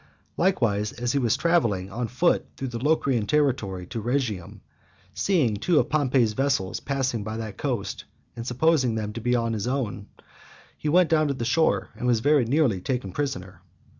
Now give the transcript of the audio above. Likewise, as he was travelling on foot through the Locrian territory to Rhegium, seeing two of Pompey's vessels passing by that coast, and supposing them to be his own, he went down to the shore, and was very nearly taken prisoner.